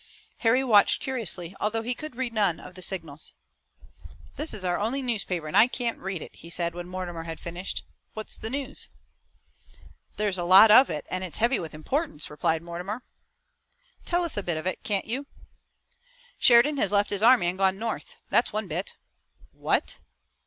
Harry watched curiously although he could read none of the signals. "This is our only newspaper and I can't read it," he said when Mortimer had finished. "What's the news?" "There's a lot of it, and it's heavy with importance," replied Mortimer. "Tell us a bit of it, can't you?" "Sheridan has left his army and gone north. That's one bit." "What?"